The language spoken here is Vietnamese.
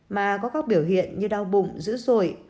mà có các biểu hiện như đau bụng dữ dội